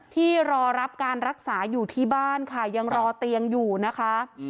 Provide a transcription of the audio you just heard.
ที่รอรับการรักษาอยู่ที่บ้านค่ะยังรอเตียงอยู่นะคะ